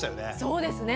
そうですね。